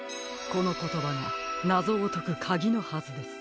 このことばがなぞをとくかぎのはずです。